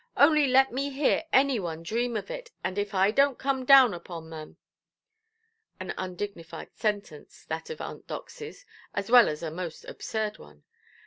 Only let me hear any one dream of it, and if I donʼt come down upon them". An undignified sentence, that of Aunt Doxyʼs, as well as a most absurd one.